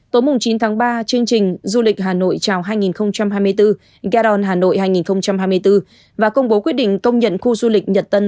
tối chín tháng ba chương trình du lịch hà nội chào hai nghìn hai mươi bốn garon hà nội hai nghìn hai mươi bốn và công bố quyết định công nhận khu du lịch nhật tân